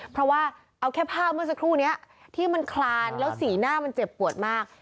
เพราะว่าเอาแค่ภาพเมื่อสักครู่นี้ที่มันคลานแล้วสีหน้ามันเจ็บปวดมาก